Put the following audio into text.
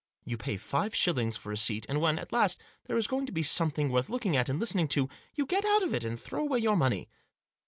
You pay five shillings for a seat, and when, at last, there is going to be some thing worth looking at, and listening to, you get out of it, and throw away your money.